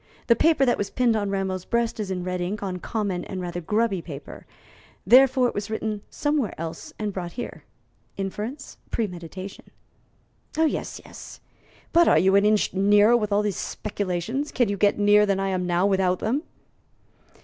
The paper that was pinned on Rameau's breast is in red ink on common and rather grubby paper, therefore it was written somewhere else and brought here. Inference, premeditation." "Yes, yes. But are you an inch nearer with all these speculations? Can you get nearer than I am now without them?"